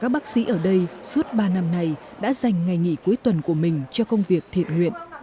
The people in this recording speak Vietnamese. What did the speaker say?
các bác sĩ ở đây suốt ba năm này đã dành ngày nghỉ cuối tuần của mình cho công việc thiện nguyện